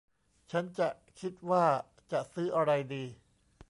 ฉันจะคิดว่าจะซื้ออะไรดี